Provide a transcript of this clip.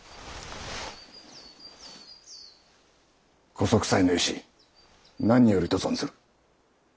・ご息災の由何よりと存ずる。